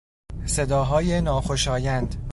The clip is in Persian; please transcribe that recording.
صداهای ناخوشایند